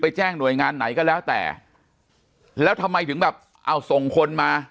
แจ้งหน่วยงานไหนก็แล้วแต่แล้วทำไมถึงแบบเอาส่งคนมา